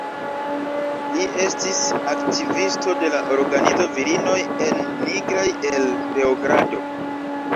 Li estis aktivisto de la organizo Virinoj en Nigraj el Beogrado.